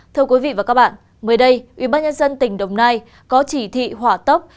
thưa quý vị và các bạn mới đây ubnd tỉnh đồng nai có chỉ thị hỏa tốc